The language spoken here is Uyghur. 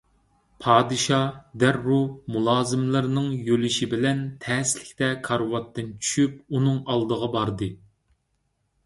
پادىشاھ دەررۇ مۇلازىملىرىنىڭ يۆلىشى بىلەن تەسلىكتە كارىۋاتتىن چۈشۈپ ئۇنىڭ ئالدىغا باردى.